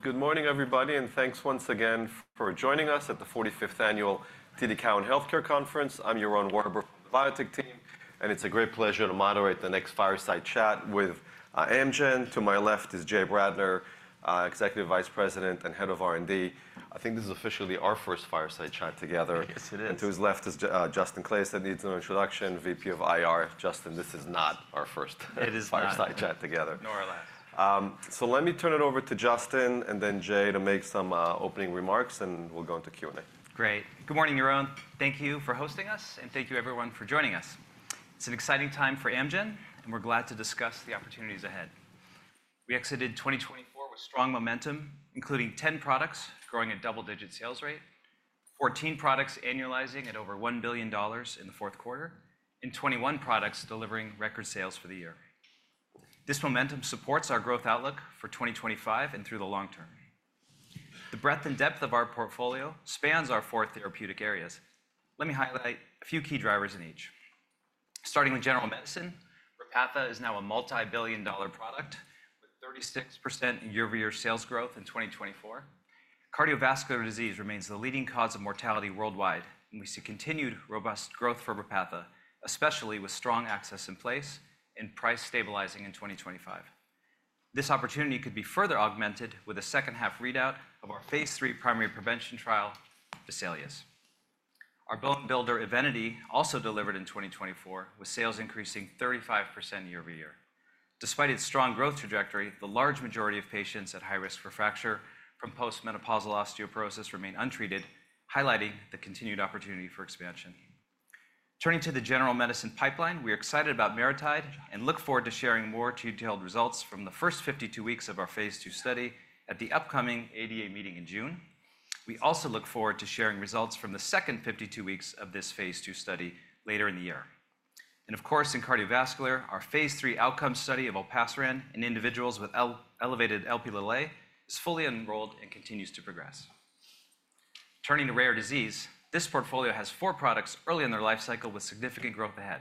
Good morning, everybody, and thanks once again for joining us at the 45th Annual TD Cowen Healthcare Conference. I'm your own Yaron Werber from the Biotech team, and it's a great pleasure to moderate the next Fireside Chat with Amgen. To my left is Jay Bradner, Executive Vice President and Head of R&D. I think this is officially our first Fireside Chat together. Yes, it is. And to his left is Justin Claeys. I need an introduction, VP of IR. Justin, this is not our first Fireside Chat together. Nor less. So let me turn it over to Justin and then Jay to make some opening remarks, and we'll go into Q&A. Great. Good morning, everyone. Thank you for hosting us, and thank you, everyone, for joining us. It's an exciting time for Amgen, and we're glad to discuss the opportunities ahead. We exited 2024 with strong momentum, including 10 products growing at double-digit sales rate, 14 products annualizing at over $1 billion in the fourth quarter, and 21 products delivering record sales for the year. This momentum supports our growth outlook for 2025 and through the long term. The breadth and depth of our portfolio spans our four therapeutic areas. Let me highlight a few key drivers in each. Starting with general medicine, Repatha is now a multi-billion dollar product with 36% year-over-year sales growth in 2024. Cardiovascular disease remains the leading cause of mortality worldwide, and we see continued robust growth for Repatha, especially with strong access in place and price stabilizing in 2025. This opportunity could be further augmented with a second-half readout of our phase III primary prevention trial, VESALIUS-CV. Our bone builder Evenity also delivered in 2024, with sales increasing 35% year-over-year. Despite its strong growth trajectory, the large majority of patients at high risk for fracture from postmenopausal osteoporosis remain untreated, highlighting the continued opportunity for expansion. Turning to the general medicine pipeline, we are excited about MariTide and look forward to sharing more detailed results from the first 52 weeks of our phase II study at the upcoming ADA meeting in June. We also look forward to sharing results from the second 52 weeks of this phase II study later in the year. And of course, in cardiovascular, our phase III outcome study of Olpasiran in individuals with elevated Lp(a) is fully enrolled and continues to progress. Turning to rare disease, this portfolio has four products early in their life cycle with significant growth ahead,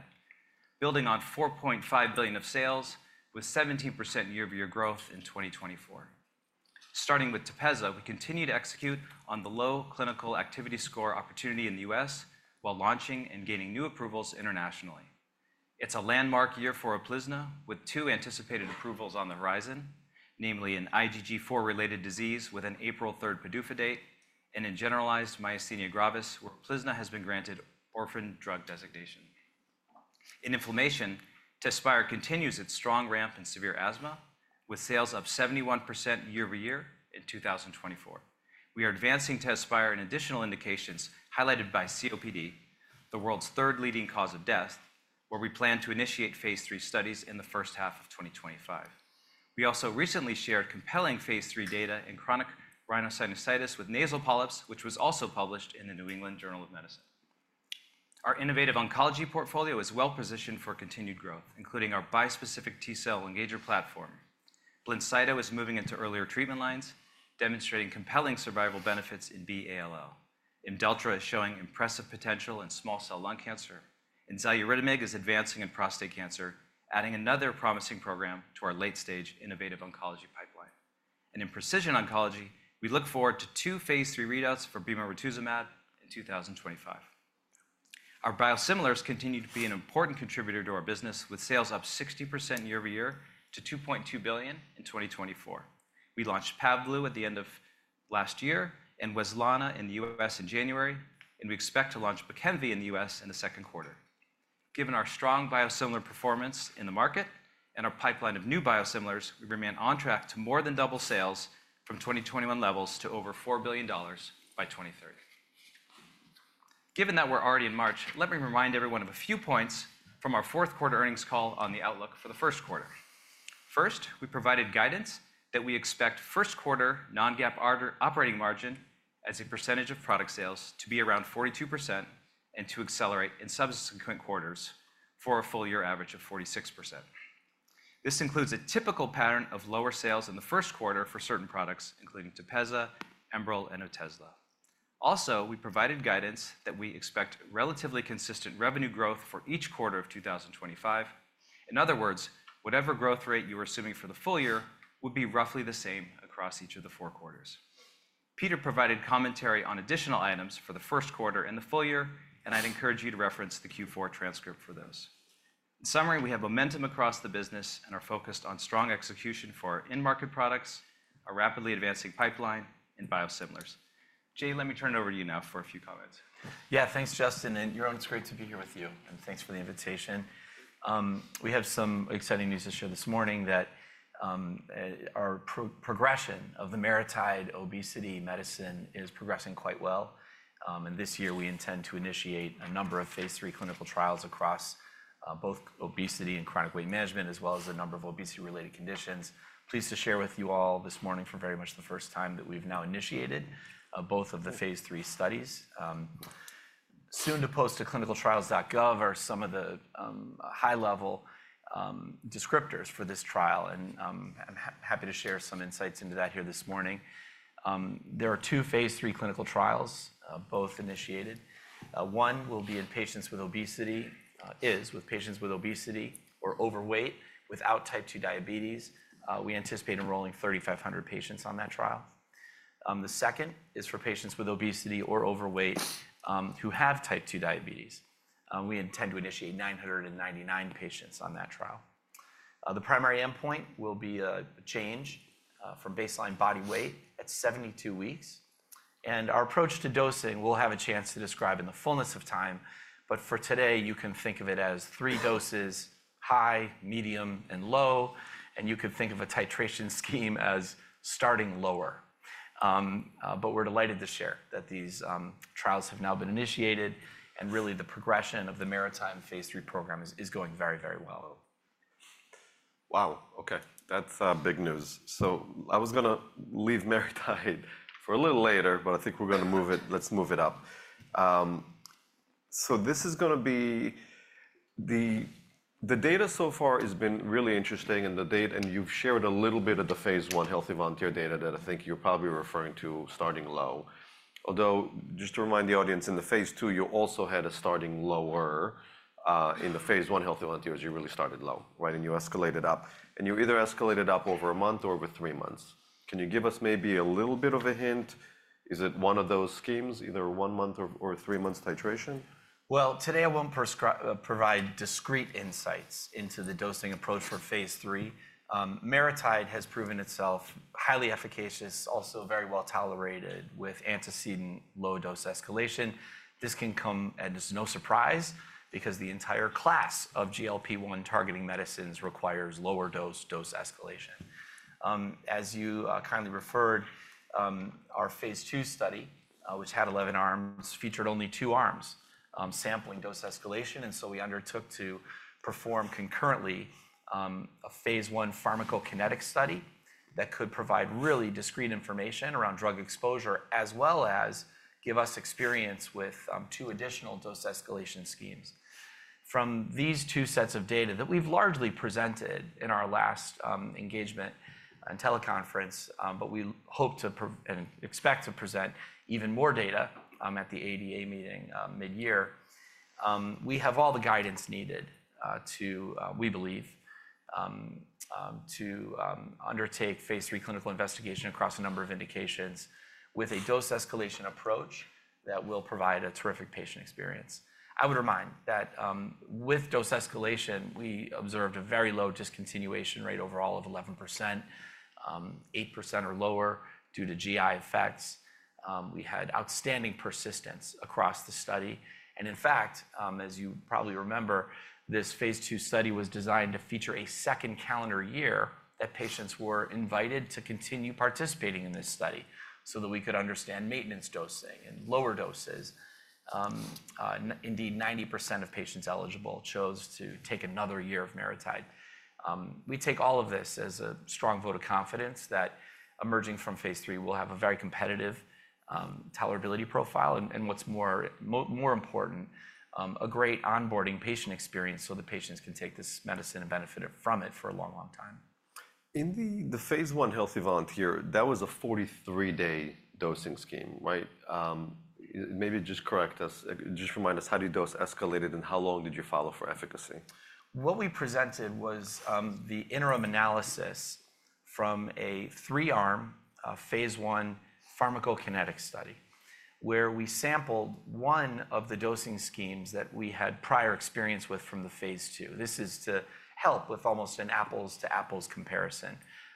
building on $4.5 billion of sales with 17% year-over-year growth in 2024. Starting with Tepezza, we continue to execute on the low Clinical Activity Score opportunity in the US while launching and gaining new approvals internationally. It's a landmark year for Uplizna with two anticipated approvals on the horizon, namely an IgG4-related disease with an April 3rd PDUFA date and a generalized myasthenia gravis where Uplizna has been granted orphan drug designation. In inflammation, Tezspire continues its strong ramp in severe asthma with sales up 71% year-over-year in 2024. We are advancing Tezspire in additional indications highlighted by COPD, the world's third leading cause of death, where we plan to initiate phase III studies in the first half of 2025. We also recently shared compelling phase III data in chronic rhinosinusitis with nasal polyps, which was also published in the New England Journal of Medicine. Our innovative oncology portfolio is well positioned for continued growth, including our bispecific T-cell engager platform. Blincyto is moving into earlier treatment lines, demonstrating compelling survival benefits in B-ALL. Imdelltra is showing impressive potential in small cell lung cancer, and Xaluritamig is advancing in prostate cancer, adding another promising program to our late-stage innovative oncology pipeline. In precision oncology, we look forward to two phase III readouts for Bemarituzumab in 2025. Our biosimilars continue to be an important contributor to our business, with sales up 60% year-over-year to $2.2 billion in 2024. We launched Pavblu at the end of last year and Wezlana in the U.S. in January, and we expect to launch Bekemv in the U.S. in the second quarter. Given our strong biosimilar performance in the market and our pipeline of new biosimilars, we remain on track to more than double sales from 2021 levels to over $4 billion by 2030. Given that we're already in March, let me remind everyone of a few points from our fourth quarter earnings call on the outlook for the first quarter. First, we provided guidance that we expect first quarter non-GAAP operating margin as a percentage of product sales to be around 42% and to accelerate in subsequent quarters for a full year average of 46%. This includes a typical pattern of lower sales in the first quarter for certain products, including Tepezza, Enbrel, and Otezla. Also, we provided guidance that we expect relatively consistent revenue growth for each quarter of 2025. In other words, whatever growth rate you were assuming for the full year would be roughly the same across each of the four quarters. Peter provided commentary on additional items for the first quarter and the full year, and I'd encourage you to reference the Q4 transcript for those. In summary, we have momentum across the business and are focused on strong execution for our in-market products, our rapidly advancing pipeline, and biosimilars. Jay, let me turn it over to you now for a few comments. Yeah, thanks, Justin. And, Yaron, it's great to be here with you, and thanks for the invitation. We have some exciting news to share this morning that our progression of the MariTide obesity medicine is progressing quite well. And this year, we intend to initiate a number of phase III clinical trials across both obesity and chronic weight management, as well as a number of obesity-related conditions. Pleased to share with you all this morning for very much the first time that we've now initiated both of the phase III studies. Soon to post to ClinicalTrials.gov are some of the high-level descriptors for this trial, and I'm happy to share some insights into that here this morning. There are two phase III clinical trials both initiated. One will be in patients with obesity or overweight without type 2 diabetes. We anticipate enrolling 3,500 patients on that trial. The second is for patients with obesity or overweight who have type 2 diabetes. We intend to initiate 999 patients on that trial. The primary endpoint will be a change from baseline body weight at 72 weeks, and our approach to dosing, we'll have a chance to describe in the fullness of time, but for today, you can think of it as three doses: high, medium, and low, and you could think of a titration scheme as starting lower, but we're delighted to share that these trials have now been initiated, and really the progression of the MariTide phase III program is going very, very well. Wow. Okay, that's big news. So I was going to leave MariTide for a little later, but I think we're going to move it. Let's move it up. So this is going to be the data so far has been really interesting, and you've shared a little bit of the phase I healthy volunteer data that I think you're probably referring to starting low. Although, just to remind the audience, in the phase II, you also had a starting lower in the phase I healthy volunteers, you really started low, right? And you escalated up, and you either escalated up over a month or over three months. Can you give us maybe a little bit of a hint? Is it one of those schemes, either one month or three months titration? Today I won't provide discrete insights into the dosing approach for phase III. MariTide has proven itself highly efficacious, also very well tolerated with antecedent low-dose escalation. This can come as no surprise because the entire class of GLP-1 targeting medicines requires lower dose dose escalation. As you kindly referred, our phase II study, which had 11 arms, featured only two arms sampling dose escalation. We undertook to perform concurrently a phase I pharmacokinetic study that could provide really discrete information around drug exposure, as well as give us experience with two additional dose escalation schemes. From these two sets of data that we've largely presented in our last engagement and teleconference, but we hope to and expect to present even more data at the ADA meeting mid-year, we have all the guidance needed to, we believe, to undertake phase III clinical investigation across a number of indications with a dose escalation approach that will provide a terrific patient experience. I would remind that with dose escalation, we observed a very low discontinuation rate overall of 11%, 8% or lower due to GI effects. We had outstanding persistence across the study. And in fact, as you probably remember, this phase II study was designed to feature a second calendar year that patients were invited to continue participating in this study so that we could understand maintenance dosing and lower doses. Indeed, 90% of patients eligible chose to take another year of MariTide. We take all of this as a strong vote of confidence that emerging from phase III will have a very competitive tolerability profile, and what's more important, a great onboarding patient experience so the patients can take this medicine and benefit from it for a long, long time. In the phase I healthy volunteer, that was a 43-day dosing scheme, right? Maybe just correct us, just remind us, how do you dose escalated and how long did you follow for efficacy? What we presented was the interim analysis from a three-arm phase I pharmacokinetic study where we sampled one of the dosing schemes that we had prior experience with from the phase II. This is to help with almost an apples-to-apples comparison.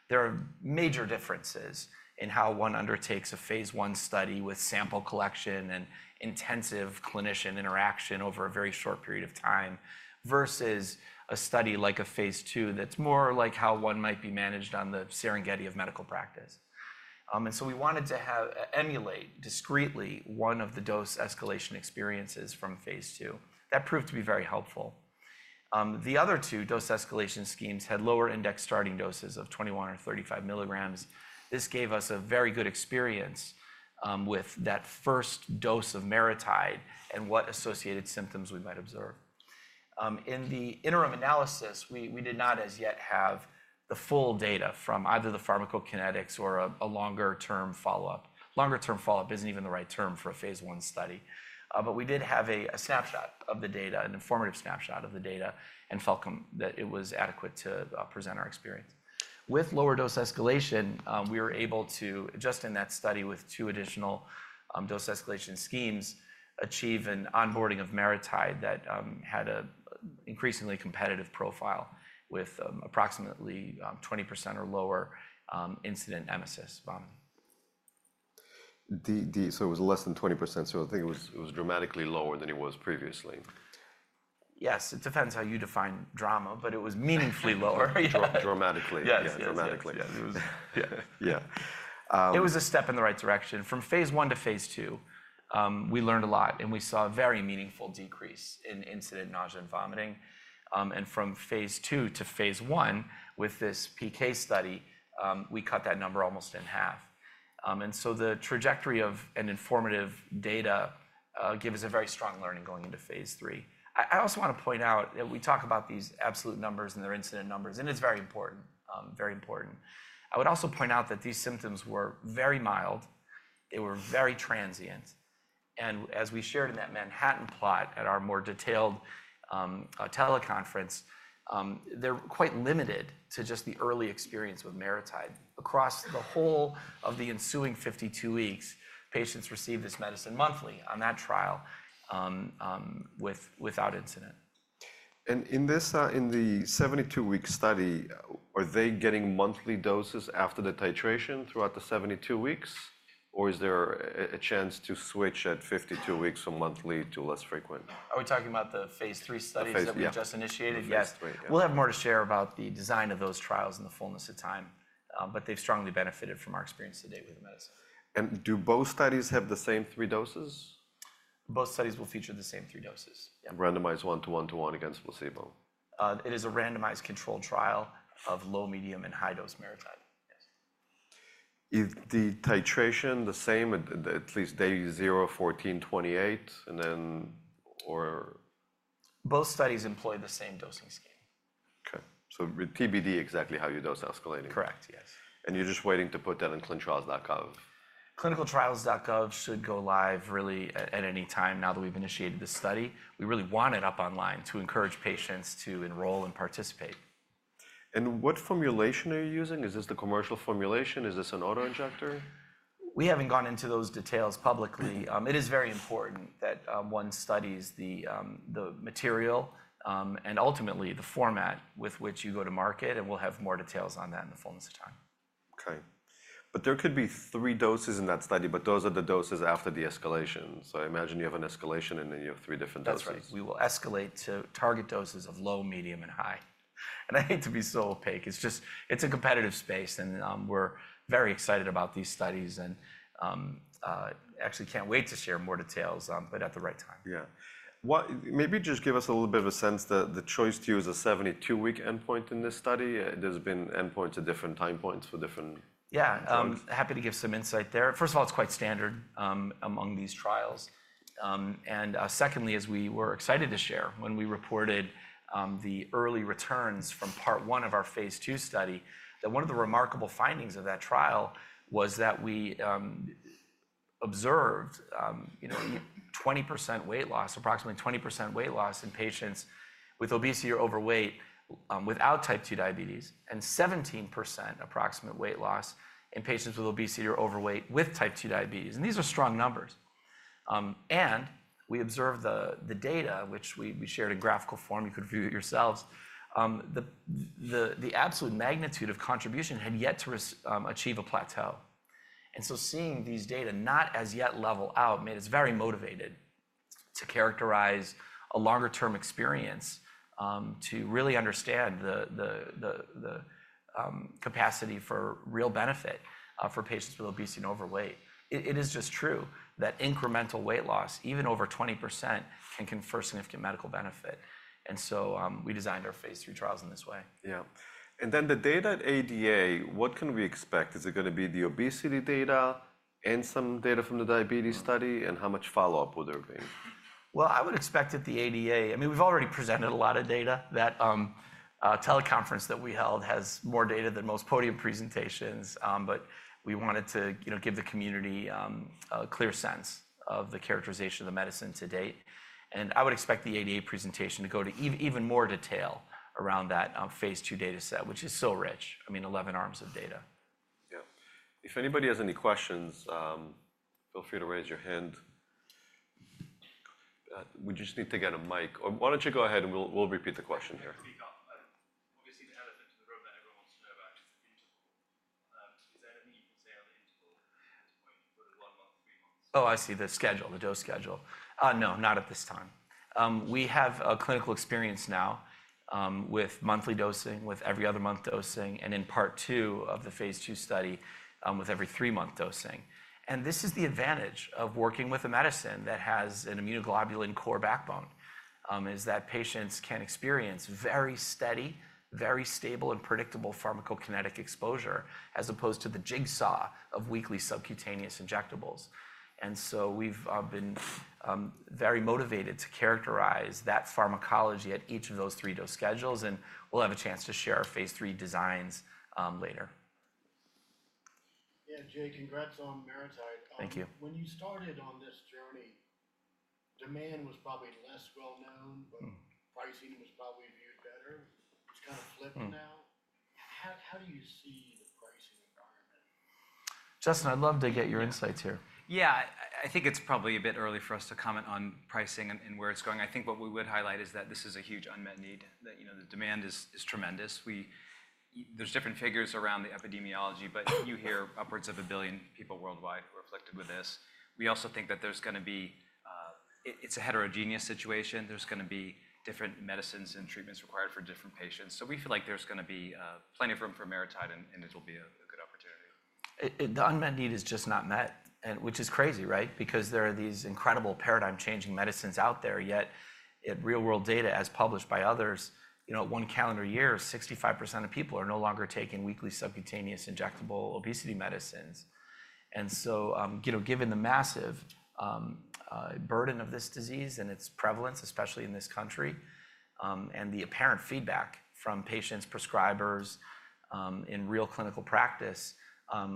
There are major differences in how one undertakes a phase I study with sample collection and intensive clinician interaction over a very short period of time versus a study like a phase II that's more like how one might be managed on the Serengeti of medical practice. And so we wanted to emulate discreetly one of the dose escalation experiences from phase II. That proved to be very helpful. The other two dose escalation schemes had lower index starting doses of 21 or 35 milligrams. This gave us a very good experience with that first dose of MariTide and what associated symptoms we might observe. In the interim analysis, we did not as yet have the full data from either the pharmacokinetics or a longer-term follow-up. Longer-term follow-up isn't even the right term for a phase I study. But we did have a snapshot of the data, an informative snapshot of the data, and felt that it was adequate to present our experience. With lower dose escalation, we were able to, just in that study with two additional dose escalation schemes, achieve an onboarding of MariTide that had an increasingly competitive profile with approximately 20% or lower incidence emesis. So it was less than 20%, so I think it was dramatically lower than it was previously. Yes, it depends how you define drama, but it was meaningfully lower. Dramatically. Yes, yes. Yeah. It was a step in the right direction. From phase I to phase II, we learned a lot, and we saw a very meaningful decrease in incidence nausea and vomiting. From phase II to phase I with this PK study, we cut that number almost in half. So the trajectory of informative data gave us a very strong learning going into phase III. I also want to point out that we talk about these absolute numbers and their incidence numbers, and it's very important, very important. I would also point out that these symptoms were very mild. They were very transient. As we shared in that Manhattan plot at our more detailed teleconference, they're quite limited to just the early experience with MariTide. Across the whole of the ensuing 52 weeks, patients received this medicine monthly on that trial without incident. In the 72-week study, are they getting monthly doses after the titration throughout the 72 weeks, or is there a chance to switch at 52 weeks from monthly to less frequent? Are we talking about the phase III studies that we just initiated? Phase III. Yes. We'll have more to share about the design of those trials and the fullness of time, but they've strongly benefited from our experience to date with the medicine. Do both studies have the same three doses? Both studies will feature the same three doses. Randomized one-to-one-to-one against placebo? It is a randomized controlled trial of low, medium, and high-dose MariTide. Is the titration the same, at least day 0, 14, 28, and then or? Both studies employ the same dosing scheme. Okay. So with TBD, exactly how you dose escalating? Correct, yes. You're just waiting to put that on clinicaltrials.gov? ClinicalTrials.gov should go live really at any time now that we've initiated this study. We really want it up online to encourage patients to enroll and participate. What formulation are you using? Is this the commercial formulation? Is this an auto injector? We haven't gone into those details publicly. It is very important that one studies the material and ultimately the format with which you go to market, and we'll have more details on that in the fullness of time. Okay. But there could be three doses in that study, but those are the doses after the escalation. So I imagine you have an escalation, and then you have three different doses. That's right. We will escalate to target doses of low, medium, and high, and I hate to be so opaque. It's just, it's a competitive space, and we're very excited about these studies and actually can't wait to share more details, but at the right time. Yeah. Maybe just give us a little bit of a sense that the choice to use a 72-week endpoint in this study? There's been endpoints at different time points for different. Yeah, happy to give some insight there. First of all, it's quite standard among these trials. And secondly, as we were excited to share when we reported the early returns from part one of our phase II study, that one of the remarkable findings of that trial was that we observed 20% weight loss, approximately 20% weight loss in patients with obesity or overweight without type 2 diabetes, and 17% approximate weight loss in patients with obesity or overweight with type 2 diabetes. And these are strong numbers. And we observed the data, which we shared in graphical form. You could view it yourselves. The absolute magnitude of contribution had yet to achieve a plateau. And so seeing these data not as yet level out made us very motivated to characterize a longer-term experience to really understand the capacity for real benefit for patients with obesity and overweight. It is just true that incremental weight loss, even over 20%, can confer significant medical benefit, and so we designed our phase III trials in this way. Yeah. And then the data at ADA, what can we expect? Is it going to be the obesity data and some data from the diabetes study, and how much follow-up would there be? I would expect at the ADA, I mean, we've already presented a lot of data. That teleconference that we held has more data than most podium presentations, but we wanted to give the community a clear sense of the characterization of the medicine to date. I would expect the ADA presentation to go to even more detail around that phase II data set, which is so rich. I mean, 11 arms of data. Yeah. If anybody has any questions, feel free to raise your hand. We just need to get a mic. Why don't you go ahead and we'll repeat the question here. Obviously, the elephant in the room that everyone wants to know about is the interval. Is there anything you can say on the interval at this point, whether one month, three months? Oh, I see the schedule, the dose schedule. No, not at this time. We have a clinical experience now with monthly dosing, with every other month dosing, and in part two of the phase II study with every three-month dosing. And this is the advantage of working with a medicine that has an immunoglobulin core backbone, is that patients can experience very steady, very stable, and predictable pharmacokinetic exposure as opposed to the jigsaw of weekly subcutaneous injectables. And so we've been very motivated to characterize that pharmacology at each of those three-dose schedules, and we'll have a chance to share our phase III designs later. Yeah, Jay, congrats on MariTide. Thank you. When you started on this journey, demand was probably less well-known, but pricing was probably viewed better. It's kind of flipped now. How do you see the pricing environment? Justin, I'd love to get your insights here. Yeah, I think it's probably a bit early for us to comment on pricing and where it's going. I think what we would highlight is that this is a huge unmet need, that the demand is tremendous. There's different figures around the epidemiology, but you hear upwards of a billion people worldwide reflected with this. We also think that there's going to be, it's a heterogeneous situation. There's going to be different medicines and treatments required for different patients. So we feel like there's going to be plenty of room for MariTide, and it'll be a good opportunity. The unmet need is just not met, which is crazy, right? Because there are these incredible paradigm-changing medicines out there, yet real-world data as published by others, one calendar year, 65% of people are no longer taking weekly subcutaneous injectable obesity medicines. And so given the massive burden of this disease and its prevalence, especially in this country, and the apparent feedback from patients, prescribers, in real clinical practice,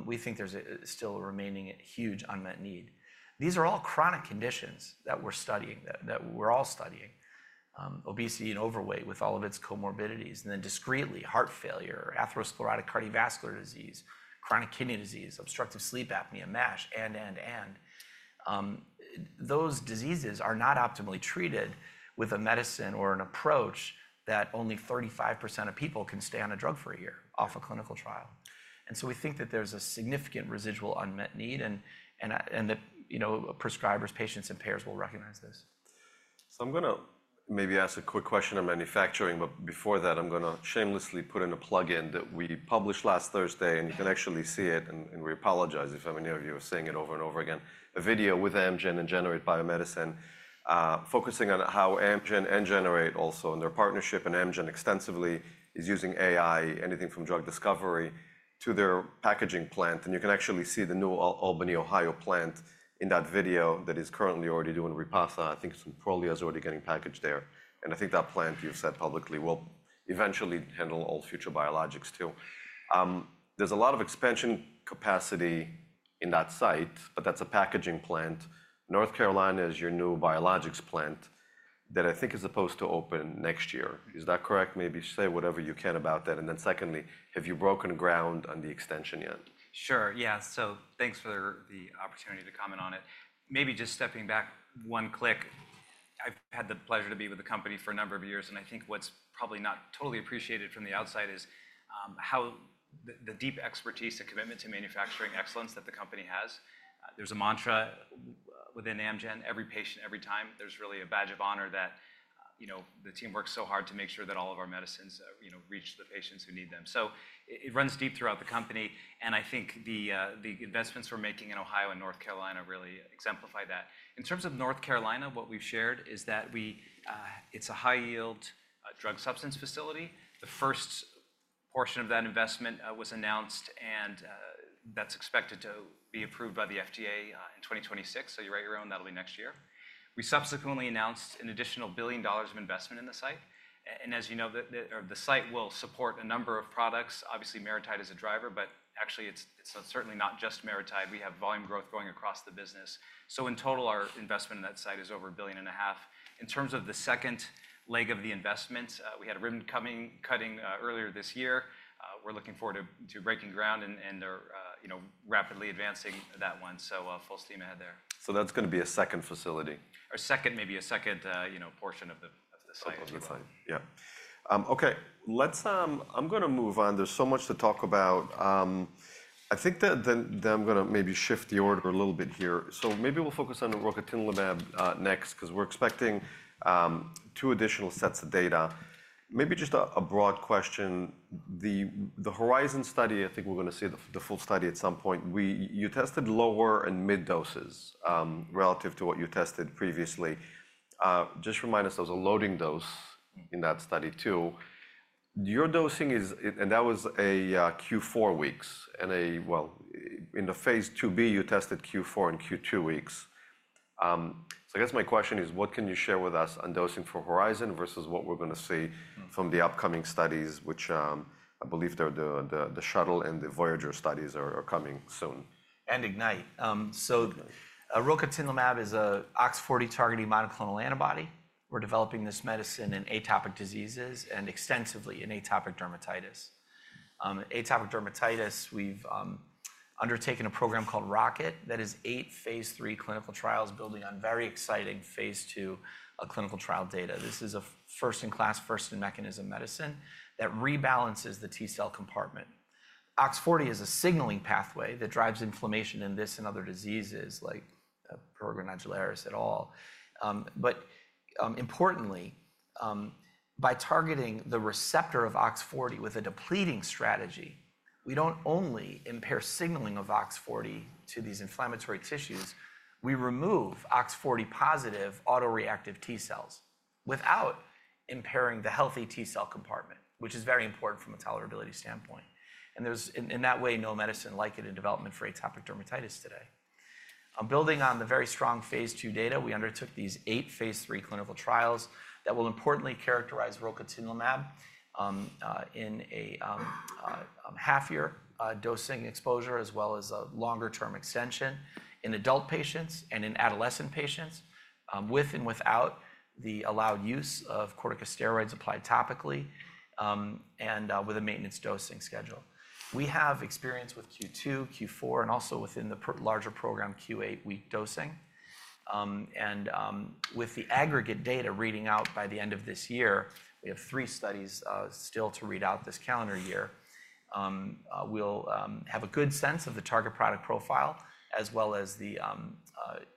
we think there's still a remaining huge unmet need. These are all chronic conditions that we're studying, that we're all studying: obesity and overweight with all of its comorbidities, and then discretely, heart failure, atherosclerotic cardiovascular disease, chronic kidney disease, obstructive sleep apnea, MASH. Those diseases are not optimally treated with a medicine or an approach that only 35% of people can stay on a drug for a year off a clinical trial. And so we think that there's a significant residual unmet need, and that prescribers, patients, and payers will recognize this. So I'm going to maybe ask a quick question on manufacturing, but before that, I'm going to shamelessly put in a plug that we published last Thursday, and you can actually see it, and we apologize if I'm in the area of saying it over and over again, a video with Amgen and Generate:Biomedicines focusing on how Amgen and Generate:Biomedicines also, and their partnership, and Amgen extensively is using AI, anything from drug discovery to their packaging plant, and you can actually see the New Albany, Ohio plant in that video that is currently already doing Repatha. I think some Prolia is already getting packaged there, and I think that plant, you've said publicly, will eventually handle all future biologics too. There's a lot of expansion capacity in that site, but that's a packaging plant. North Carolina is your new biologics plant that I think is supposed to open next year. Is that correct? Maybe say whatever you can about that. And then secondly, have you broken ground on the extension yet? Sure, yeah. So thanks for the opportunity to comment on it. Maybe just stepping back one click, I've had the pleasure to be with the company for a number of years, and I think what's probably not totally appreciated from the outside is how the deep expertise, the commitment to manufacturing excellence that the company has. There's a mantra within Amgen, every patient, every time. There's really a badge of honor that the team works so hard to make sure that all of our medicines reach the patients who need them. So it runs deep throughout the company, and I think the investments we're making in Ohio and North Carolina really exemplify that. In terms of North Carolina, what we've shared is that it's a high-yield drug substance facility. The first portion of that investment was announced, and that's expected to be approved by the FDA in 2026. So you're right, Yaron, that'll be next year. We subsequently announced an additional $1 billion of investment in the site. And as you know, the site will support a number of products. Obviously, MariTide is a driver, but actually, it's certainly not just MariTide. We have volume growth going across the business. So in total, our investment in that site is over $1.5 billion. In terms of the second leg of the investment, we had a ribbon cutting earlier this year. We're looking forward to breaking ground and rapidly advancing that one. So full steam ahead there. So that's going to be a second facility. Or second, maybe a second portion of the site. Of the site, yeah. Okay, I'm going to move on. There's so much to talk about. I think that then I'm going to maybe shift the order a little bit here. So maybe we'll focus on Rocatinlimab next because we're expecting two additional sets of data. Maybe just a broad question. The HORIZON study, I think we're going to see the full study at some point. You tested lower and mid doses relative to what you tested previously. Just remind us there was a loading dose in that study too. Your dosing is, and that was a Q4 weeks. And well, in the phase IIB, you tested Q4 and Q2 weeks. So I guess my question is, what can you share with us on dosing for HORIZON versus what we're going to see from the upcoming studies, which I believe the SHUTTLE and the VOYAGER studies are coming soon? IGNITE. Rocatinlimab is an OX40 targeting monoclonal antibody. We're developing this medicine in atopic diseases and extensively in atopic dermatitis. Atopic dermatitis, we've undertaken a program called ROCKET that is eight phase III clinical trials building on very exciting phase II clinical trial data. This is a first-in-class, first-in-mechanism medicine that rebalances the T-cell compartment. OX40 is a signaling pathway that drives inflammation in this and other diseases like prurigo nodularis et al. But importantly, by targeting the receptor of OX40 with a depleting strategy, we don't only impair signaling of OX40 to these inflammatory tissues, we remove OX40 positive autoreactive T-cells without impairing the healthy T-cell compartment, which is very important from a tolerability standpoint. And there's, in that way, no medicine like it in development for atopic dermatitis today. Building on the very strong phase II data, we undertook these eight phase III clinical trials that will importantly characterize rocatinlimab in a half-year dosing exposure as well as a longer-term extension in adult patients and in adolescent patients with and without the allowed use of corticosteroids applied topically and with a maintenance dosing schedule. We have experience with Q2, Q4, and also within the larger program, Q8 week dosing. And with the aggregate data reading out by the end of this year, we have three studies still to read out this calendar year. We'll have a good sense of the target product profile as well as the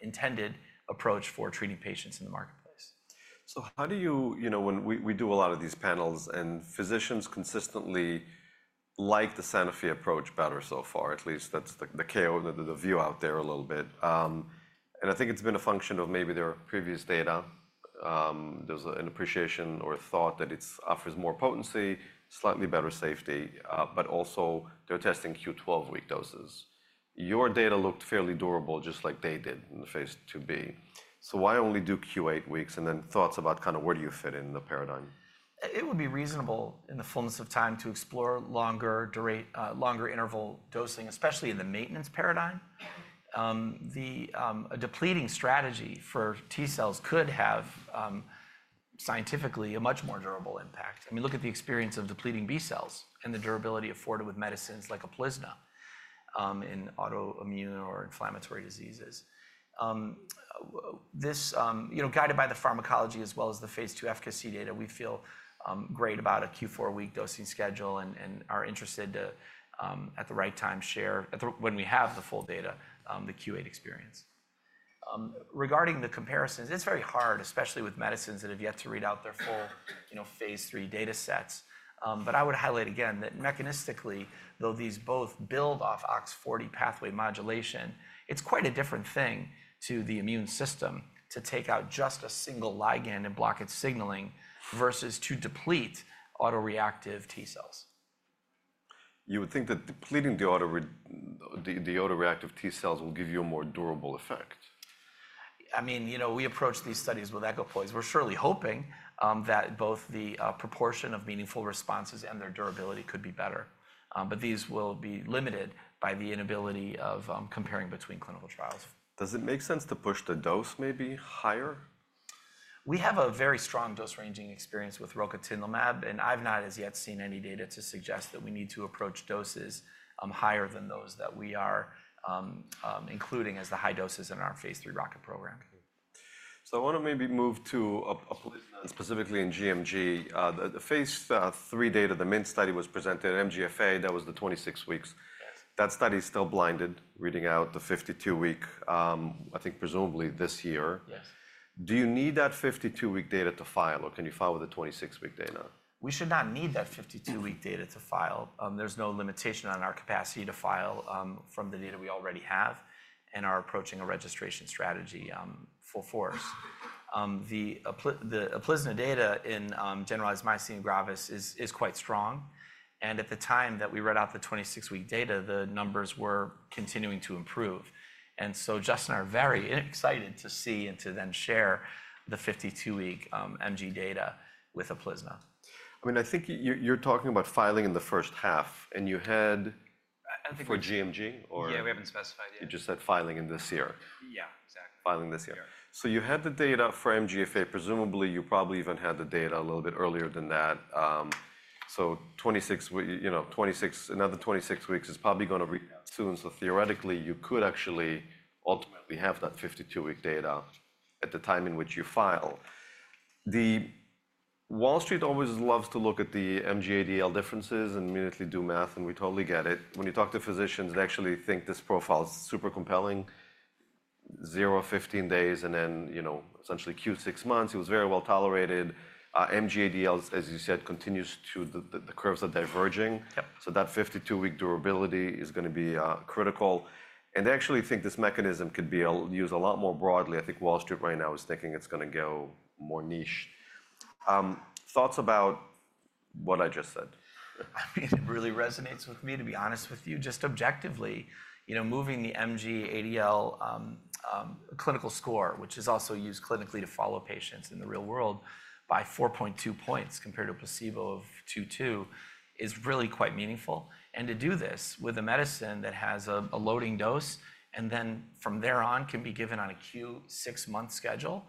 intended approach for treating patients in the marketplace. So how do you, you know, when we do a lot of these panels and physicians consistently like the Sanofi approach better so far, at least that's the view out there a little bit and I think it's been a function of maybe their previous data. There's an appreciation or thought that it offers more potency, slightly better safety, but also they're testing Q12 week doses. Your data looked fairly durable just like they did in the phase IIB so why only do Q8 weeks and then thoughts about kind of where do you fit in the paradigm? It would be reasonable in the fullness of time to explore longer interval dosing, especially in the maintenance paradigm. The depleting strategy for T-cells could have scientifically a much more durable impact. I mean, look at the experience of depleting B-cells and the durability afforded with medicines like Uplizna in autoimmune or inflammatory diseases. Guided by the pharmacology as well as the phase II efficacy data, we feel great about a Q4 week dosing schedule and are interested to, at the right time, share when we have the full data, the Q8 experience. Regarding the comparisons, it's very hard, especially with medicines that have yet to read out their full phase III data sets. But I would highlight again that mechanistically, though these both build off OX40 pathway modulation, it's quite a different thing to the immune system to take out just a single ligand and block its signaling versus to deplete autoreactive T-cells. You would think that depleting the autoreactive T-cells will give you a more durable effect. I mean, you know, we approach these studies with equipoise. We're surely hoping that both the proportion of meaningful responses and their durability could be better, but these will be limited by the inability of comparing between clinical trials. Does it make sense to push the dose maybe higher? We have a very strong dose ranging experience with Rocatinlimab, and I've not as yet seen any data to suggest that we need to approach doses higher than those that we are including as the high doses in our phase III ROCKET program. I want to maybe move to Uplizna and specifically in GMG. The phase III data, the main study was presented at MGFA, that was the 26 weeks. That study is still blinded, reading out the 52-week, I think presumably this year. Do you need that 52-week data to file, or can you file with the 26-week data? We should not need that 52-week data to file. There's no limitation on our capacity to file from the data we already have and are approaching a registration strategy full force. The Uplizna data in generalized myasthenia gravis is quite strong. And at the time that we read out the 26-week data, the numbers were continuing to improve. And so Justin are very excited to see and to then share the 52-week MG data with Uplizna. I mean, I think you're talking about filing in the first half, and you had for GMG, or? Yeah, we haven't specified yet. You just said filing in this year. Yeah, exactly. Filing this year, so you had the data for MGFA, presumably you probably even had the data a little bit earlier than that, so 26, another 26 weeks is probably going to read out soon, so theoretically, you could actually ultimately have that 52-week data at the time in which you file. The Wall Street always loves to look at the MGADL differences and immediately do math, and we totally get it. When you talk to physicians, they actually think this profile is super compelling, zero, 15 days, and then essentially Q6 months, it was very well tolerated. MG-ADL, as you said, continues to, the curves are diverging, so that 52-week durability is going to be critical, and they actually think this mechanism could be used a lot more broadly. I think Wall Street right now is thinking it's going to go more niche. Thoughts about what I just said? I mean, it really resonates with me, to be honest with you. Just objectively, moving the MG-ADL clinical score, which is also used clinically to follow patients in the real world, by 4.2 points compared to a placebo of 2.2 is really quite meaningful. And to do this with a medicine that has a loading dose and then from there on can be given on a Q6 month schedule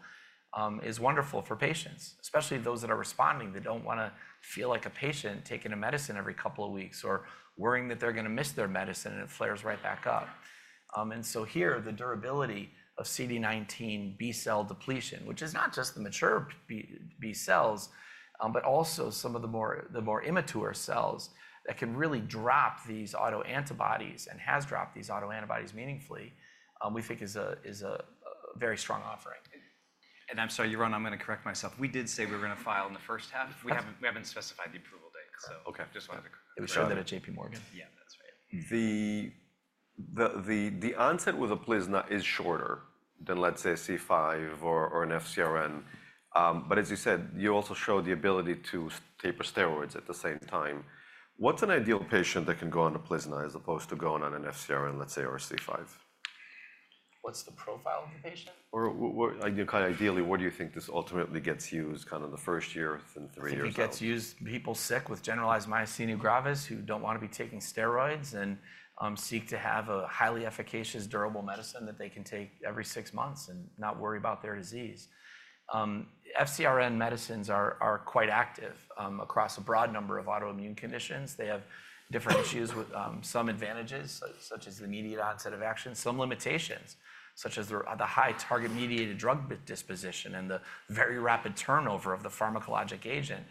is wonderful for patients, especially those that are responding that don't want to feel like a patient taking a medicine every couple of weeks or worrying that they're going to miss their medicine and it flares right back up. And so here, the durability of CD19 B-cell depletion, which is not just the mature B-cells, but also some of the more immature cells that can really drop these autoantibodies and has dropped these autoantibodies meaningfully, we think is a very strong offering. And I'm sorry, you're wrong, I'm going to correct myself. We did say we were going to file in the first half. We haven't specified the approval date, so just wanted to correct myself. Okay, okay. It was shown that at J.P. Morgan. Yeah, that's right. The onset with Uplizna is shorter than, let's say, C5 or an FcRn. But as you said, you also showed the ability to taper steroids at the same time. What's an ideal patient that can go on Uplizna as opposed to going on an FcRn, let's say, or a C5? What's the profile of the patient? Or kind of ideally, where do you think this ultimately gets used kind of in the first year and three years out? I think it gets used in people sick with generalized myasthenia gravis who don't want to be taking steroids and seek to have a highly efficacious, durable medicine that they can take every six months and not worry about their disease. FcRn medicines are quite active across a broad number of autoimmune conditions. They have different issues with some advantages, such as the immediate onset of action, some limitations, such as the high target mediated drug disposition and the very rapid turnover of the pharmacologic agent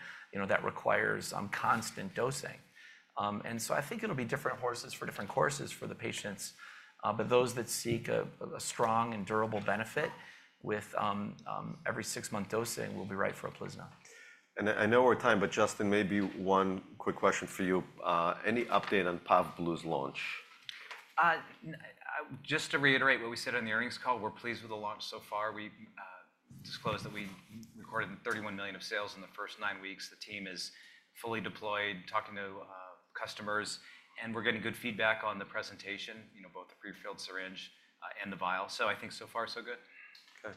that requires constant dosing, and so I think it'll be different horses for different courses for the patients, but those that seek a strong and durable benefit with every six-month dosing will be right for Uplizna. And I know we're at time, but Justin, maybe one quick question for you. Any update on Pavblu's launch? Just to reiterate what we said on the earnings call, we're pleased with the launch so far. We disclosed that we recorded $31 million of sales in the first nine weeks. The team is fully deployed, talking to customers, and we're getting good feedback on the presentation, both the prefilled syringe and the vial. So I think so far, so good. Okay.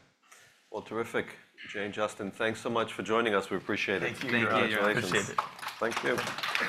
Well, terrific. Jay, Justin, thanks so much for joining us. We appreciate it. Thank you. Congratulations. Appreciate it. Thank you.